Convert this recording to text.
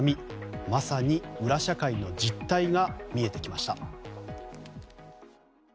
まさに裏社会の実態が見えてきました。